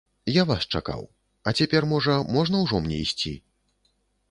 Я вас чакаў, а цяпер, можа, можна ўжо мне ісці?